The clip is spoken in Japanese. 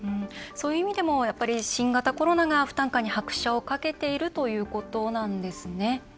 そういう意味でもやっぱり新型コロナが負担感に拍車をかけているということなんですね。